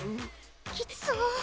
きつそう。